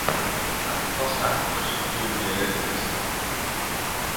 Надад бас айхавтар сүрхий юм яриад л байсан.